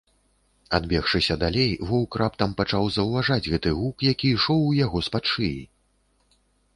Адбегшыся далей, воўк раптам пачаў заўважаць гэты гук, які ішоў у яго з-пад шыі.